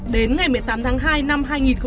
đến ngày một mươi tám tháng hai năm hai nghìn hai mươi